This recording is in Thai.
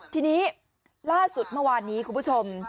ทีนี้ล่าสุดเมื่อวานนี้คุณผู้ชม